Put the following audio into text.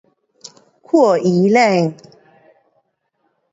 看医生